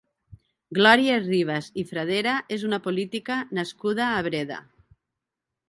Glòria Ribas i Fradera és una política nascuda a Breda.